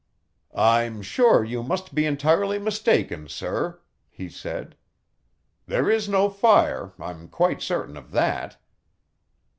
"I'm sure you must be entirely mistaken, sir," he said. "There is no fire, I'm quite certain of that.